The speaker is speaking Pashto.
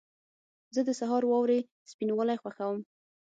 زه د سهار واورې سپینوالی خوښوم.